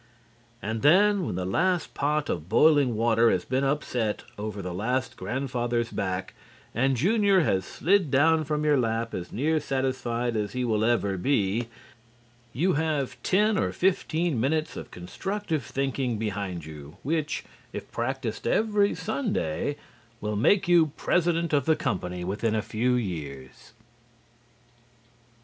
And then, when the last pot of boiling water has been upset over the last grandfather's back, and Junior has slid down from your lap as near satisfied as he ever will be, you have ten or fifteen minutes of constructive thinking behind you, which, if practiced every Sunday, will make you President of the company within a few years.